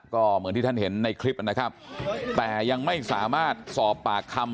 ก็เหมือนที่ท่านเห็นในคลิปนะครับแต่ยังไม่สามารถสอบปากคำ